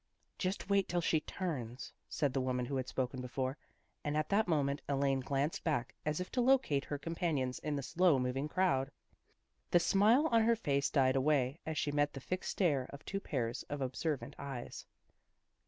" Just wait till she turns," said the woman who had spoken before, and at that moment Elaine glanced back, as if to locate her com panions in the slow moving crowd. The smile on her face died away, as she met the fixed stare of two pairs of observant eyes.